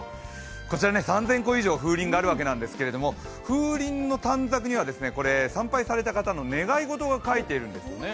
こちら３０００個以上風鈴があるわけなんですけど風鈴の短尺には参拝された方の願い事が書いてあるんですよね。